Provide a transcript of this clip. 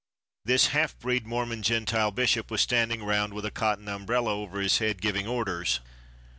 The half breed Mormon Gentile bishop was standing round with a cotton umbrella over his head, giving orders.